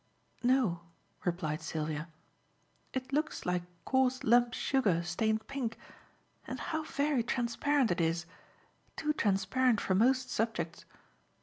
"No," replied Sylvia. "It looks like coarse lump sugar stained pink. And how very transparent it is; too transparent for most subjects."